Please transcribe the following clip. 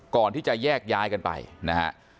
ก่อนที่จะแยกย้ายกันไปนะฮะ